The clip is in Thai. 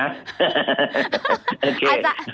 โอเค